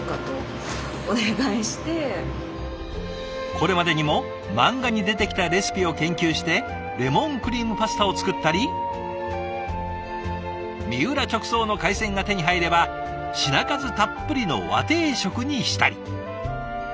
これまでにも漫画に出てきたレシピを研究してレモンクリームパスタを作ったり三浦直送の海鮮が手に入れば品数たっぷりの和定食にしたり。